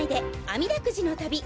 あみだくじの旅！